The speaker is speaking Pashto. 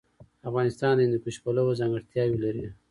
افغانستان د هندوکش پلوه ځانګړتیاوې لري.